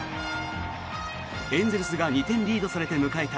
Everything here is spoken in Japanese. エンゼルスが２点リードされて迎えた